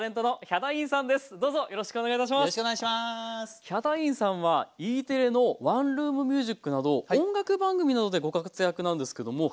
ヒャダインさんは「Ｅテレ」の「ワンルームミュージック」など音楽番組などでご活躍なんですけども。